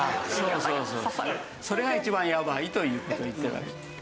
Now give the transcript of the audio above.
それが一番やばいという事を言ってるわけですね。